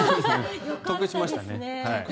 得しましたね。